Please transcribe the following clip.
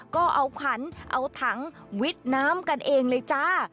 ก็เอาขวัญเอาถังวิดน้ำกันเองเลยจ้า